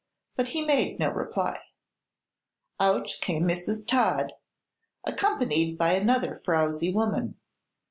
But he made no reply. Out came Mrs. Todd, accompanied by another frowsy woman.